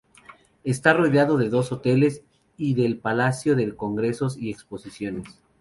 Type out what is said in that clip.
Está rodeado de dos hoteles, y del Palacio de Congresos y Exposiciones.